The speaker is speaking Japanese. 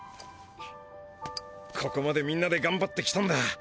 ここまでみんなでがんばってきたんだ。